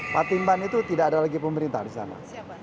patimban itu tidak ada lagi pemerintah di sana